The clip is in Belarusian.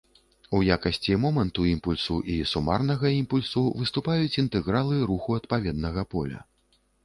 У якасці моманту імпульсу і сумарнага імпульсу выступаюць інтэгралы руху адпаведнага поля.